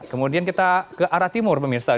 kemudian kita ke arah timur pemirsa